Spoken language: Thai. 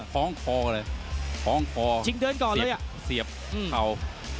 คล้องครอบเลยเศียบเข่า